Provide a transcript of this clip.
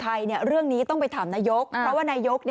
คือเอาจริงนะเรื่องนี้ต้องไปถามนายก